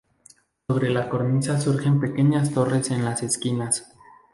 Sobre la cornisa surgen pequeñas torres en las esquinas.